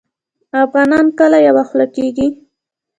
افغانان کله یوه خوله کیږي؟